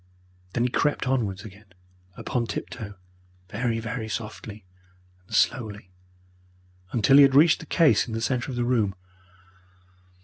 Then he crept onwards again upon tiptoe, very, very softly and slowly, until he had reached the case in the centre of the room.